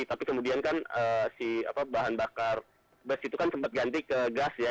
tapi kemudian kan si bahan bakar bus itu kan sempat ganti ke gas ya